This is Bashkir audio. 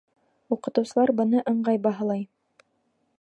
Уҡытыусылар быны ыңғай баһалай.